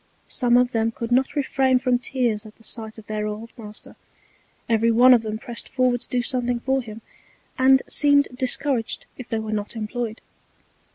Some of them could not refrain from Tears at the Sight of their old Master; every one of them press'd forward to do something for him, and seemed discouraged if they were not employed.